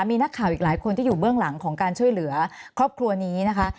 มีนักข่าวอีกหลายคนที่อยู่เบื้องหลังของการช่วยเหลือครอบครัวนี้นะคะ